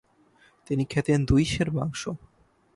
তিনি খেতেন দুই সের মাংস।